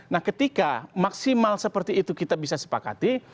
nah ketika maksimal seperti itu kita bisa sepakati